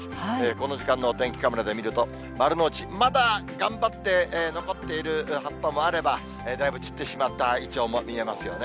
この時間のお天気カメラで見ると、丸の内、まだ残っている葉っぱもあれば、だいぶ散ってしまったイチョウも見えますよね。